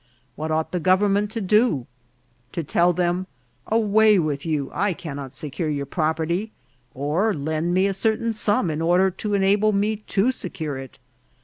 What ought the government to do ? to tell them, ' Away with you, I cannot secure your property ; or, lend me a certain sum in order to enable me to secure it.'